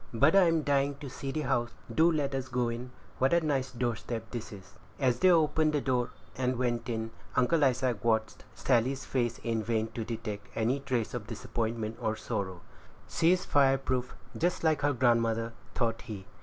But I'm dying to see the house; do let us go in; what a nice doorstep this is!" As they opened the door and went in, Uncle Isaac watched Sally's face in vain to detect any trace of disappointment or sorrow. She is fire proof, just like her grandmother, thought he.